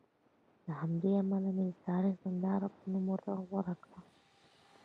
له همدې امله مې د تاریخ ننداره نوم ورته غوره کړ.